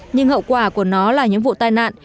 nhưng hậu quả của nó là những vụ tai nạn